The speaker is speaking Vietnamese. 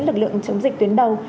lực lượng chống dịch tuyến đầu